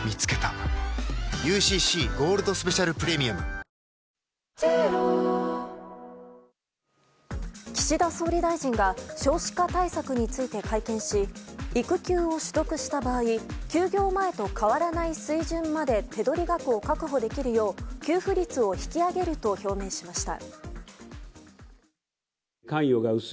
活動しにくくなったわスミマセンこの惑星で宇宙人ヒラテに叱られるのは嬉しい岸田総理大臣が少子化対策について会見し育休を取得した場合休業前と変わらない水準まで手取り額を確保できるよう給付率を引き上げると表明しました。